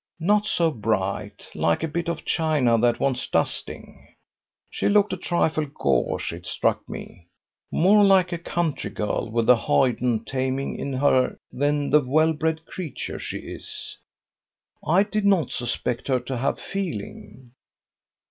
"Not so bright: like a bit of china that wants dusting. She looked a trifle gauche, it struck me; more like a country girl with the hoyden taming in her than the well bred creature she is. I did not suspect her to have feeling.